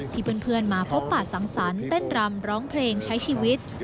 เพื่อนมาพบป่าสังสรรค์เต้นรำร้องเพลงใช้ชีวิต